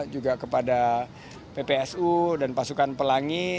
juga kepada ppsu dan pasukan pelangi